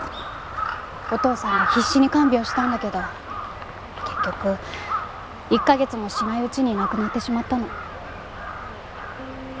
お父さんが必死に看病したんだけど結局１カ月もしないうちに亡くなってしまったの。